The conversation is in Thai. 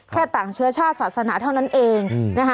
แค่แต่ห์เชื้อชาติศาสนาเท่านั้นเอง